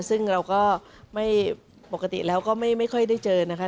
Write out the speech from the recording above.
ซึ่งเราก็ไม่ปกติแล้วก็ไม่ค่อยได้เจอนะคะ